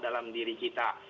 dalam diri kita